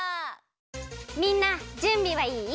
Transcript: みんなじゅんびはいい？